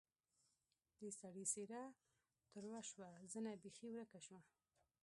د سړي څېره تروه شوه زنه بېخي ورکه شوه.